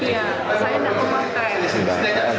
saya tidak memantai